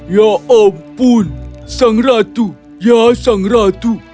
ya ampun sang ratu ya sang ratu